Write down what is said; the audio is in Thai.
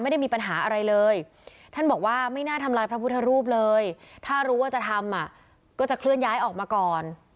ไม่ได้มีปัญหาอะไรเลยท่านบอกว่าไม่น่าทำลายพระพุทธรูปเลยถ้ารู้ว่าจะทำก็จะเคลื่อนย้ายออกมาก่อน